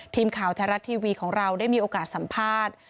ทีมข่าวไทยรัฐทีวีของเราได้มีโอกาสสัมภาษณ์